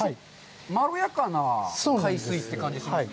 まろやかな海水って感じがしますね。